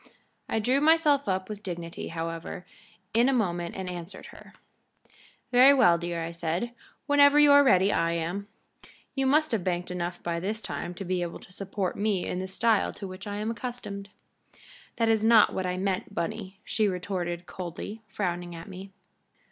I drew myself up with dignity, however, in a moment and answered her. "Very well, dear," I said. "Whenever you are ready I am. You must have banked enough by this time to be able to support me in the style to which I am accustomed." "That is not what I meant, Bunny," she retorted, coldly, frowning at me.